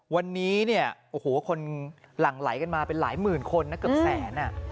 วันนี้คนหลังไหลกันมาเป็นหลายหมื่นคนนะเกือบแสน